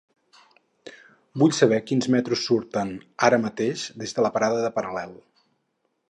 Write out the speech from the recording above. Vull saber quins metros surten ara mateix des de la parada de Paral·lel.